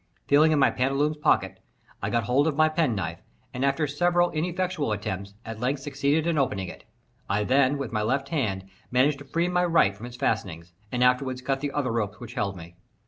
Feeling in my pantaloons' pocket, I got hold of my penknife, and, after several ineffectual attempts, at length succeeded in opening it. I then, with my left hand, managed to free my right from its fastenings, and afterward cut the other ropes which held me.